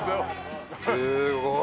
すごい！